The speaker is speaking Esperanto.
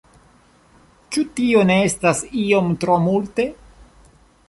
Ĉu tio ne estas iom tro multe?